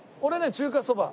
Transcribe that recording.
中華そば。